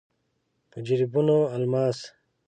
په جريبونو الماس.